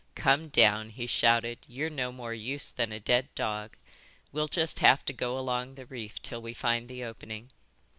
"Come down," he shouted. "You're no more use than a dead dog. We'll just have to go along the reef till we find the opening."